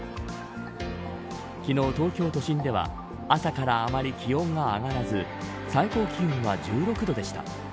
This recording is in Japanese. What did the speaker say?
昨日、東京都心では朝からあまり気温が上がらず最高気温は１６度でした。